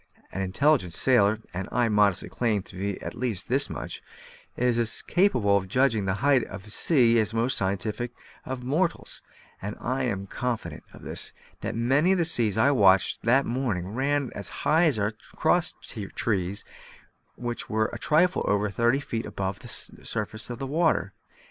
An intelligent sailor (and I modestly claim to be at least this much) is as capable of judging the height of a sea as the most scientific of mortals; and I am confident of this, that many of the seas I watched that morning ran as high as our cross trees, which were a trifle over thirty feet above the surface of the water.